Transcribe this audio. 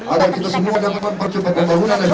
agar kita semua dapat mempercepat pembangunan